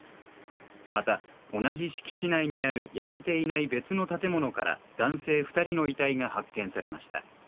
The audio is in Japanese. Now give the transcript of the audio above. また同じ敷地内にある焼けていない別の建物から男性２人の遺体が発見されました。